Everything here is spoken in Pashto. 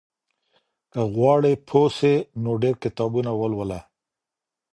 که غواړې پوه سې نو ډېر کتابونه ولوله.